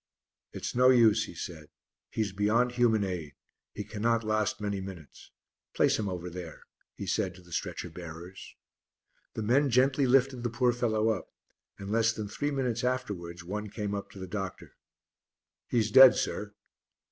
"It's no use," he said, "he's beyond human aid; he cannot last many minutes. Place him over there," he said to the stretcher bearers. The men gently lifted the poor fellow up, and less than three minutes afterwards one came up to the doctor. "He's dead, sir."